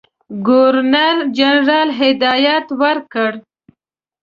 ګورنرجنرال هدایت ورکړ.